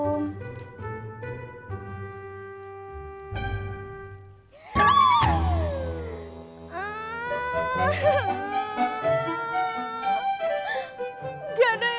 enggaaaah gaada yang bantu